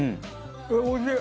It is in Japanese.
おいしい！